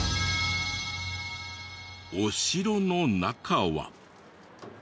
お城の中は。